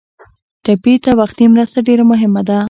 ټپي ته وختي مرسته ډېره مهمه ده.